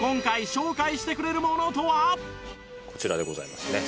こちらでございますね。